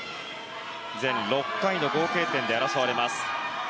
全６回の合計点で争われます。